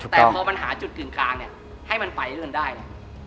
แต่พอมันหาจุดกลึงคล้างเนี่ยให้มันไฝเรื่องได้เลย